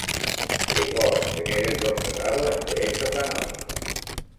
Llegó a obtener el doctorado en Derecho Canónico.